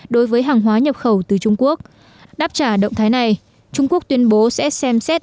đối với hàng hóa nhập khẩu từ trung quốc đáp trả động thái này trung quốc tuyên bố sẽ xem xét